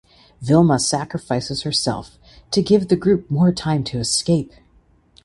Vilma sacrifices herself to give the group more time to escape.